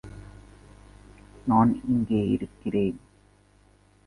நான் எங்கே இருக்கிறேன்?